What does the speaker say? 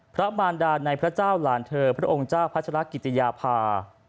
พระมารดาในพระเจ้าหลานเถอพระองค์เจ้าพระชรกิจยภาพ